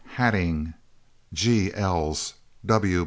P. Hattingh, G. Els, W.